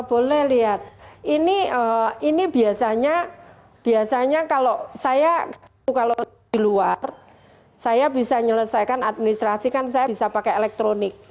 boleh lihat ini biasanya kalau saya kalau di luar saya bisa menyelesaikan administrasi kan saya bisa pakai elektronik